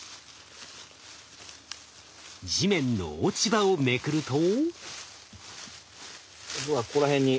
地面の落ち葉をめくると。